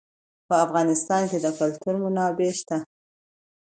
په افغانستان کې د کلتور منابع شته.